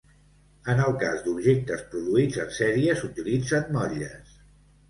En el cas d'objectes produïts en sèrie s'utilitzen motlles.